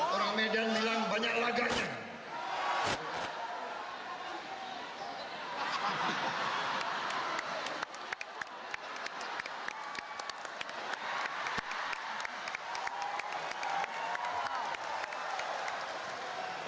orang medan bilang banyak laganya